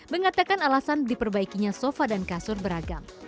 mengatakan alasan diperbaikinya sofa dan kasur beragam